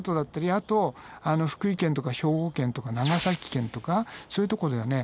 あと福井県とか兵庫県とか長崎県とかそういうとこではね